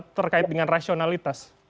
terkait dengan rasionalitas